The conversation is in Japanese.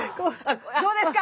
どうですか！